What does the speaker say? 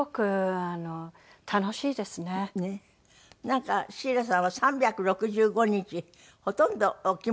なんかシーラさんは３６５日ほとんどお着物。